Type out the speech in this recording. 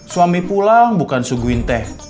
suami pulang bukan sungguhin teh